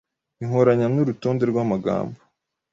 Inkoranya n'urutonde rw'amagambo